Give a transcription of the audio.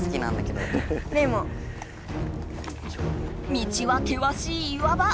道はけわしい岩場。